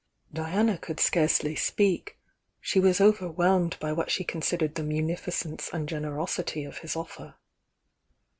Diana could scarcely speak ; she was overwhelmed by what she considered the munificence and gener osity of his offer.